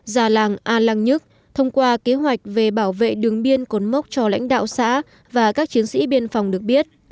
già làng a lăng nhức thông qua kế hoạch về bảo vệ đường biên cột mốc cho lãnh đạo xã và các chiến sĩ biên phòng được biết